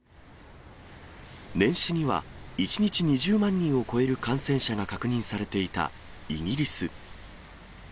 年始には、１日２０万人を超える感染者が確認されていたイギリス。